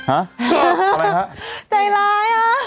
อะไรฮะใจร้ายอ่ะ